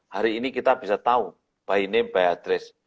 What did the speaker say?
hari ini kita bisa tahu by name by address